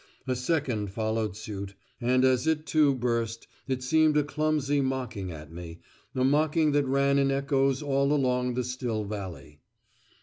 A second followed suit. And as it, too, burst, it seemed a clumsy mocking at me, a mocking that ran in echoes all along the still valley.